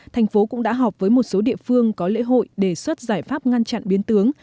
thành phố cũng đã họp với một số địa phương có lễ hội đề xuất giải pháp ngăn chặn biến tướng